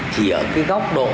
chỉ ở cái góc độ